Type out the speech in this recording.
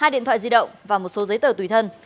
hai điện thoại di động và một số giấy tờ tùy thân